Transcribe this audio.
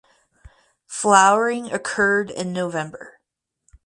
Flowering occurred in November.